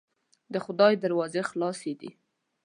د خدای دروازې خلاصې دي.